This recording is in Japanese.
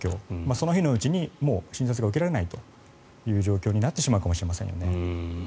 その日のうちに診察が受けられないという状況になってしまうかもしれませんよね。